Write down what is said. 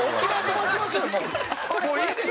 もういいでしょ？